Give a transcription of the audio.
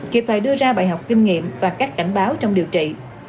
kịp thời đưa ra bài học kinh nghiệm và cách cảnh báo trong điều trị